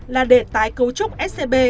là để tái cấu trúc scb